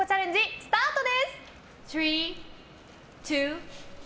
スタートです。